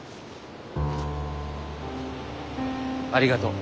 ありがとう。